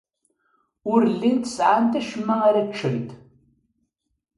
Ur llint sɛant acemma ara ččent.